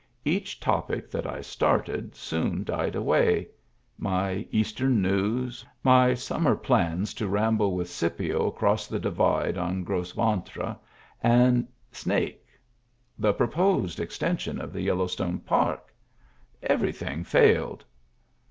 Each topic that I started soon died away: my Eastern news; my summer plans to ramble with Scipio across the Divide on Gros Ventre and Snake ; the pro posed extension of the Yellowstone Park — every thing failed.